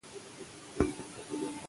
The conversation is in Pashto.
پښتو ژبه باید په هر ځای کې وي.